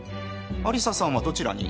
有沙さんはどちらに？